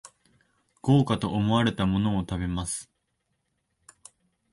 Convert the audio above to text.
豪華と思われたものを食べます